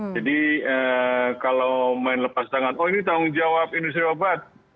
jadi kalau main lepas tangan oh ini tanggung jawab industri obat